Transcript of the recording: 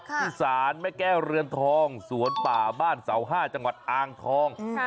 ที่ศาลแม่แก้วเรือนทองสวนป่าบ้านเสาห้าจังหวัดอ่างทอง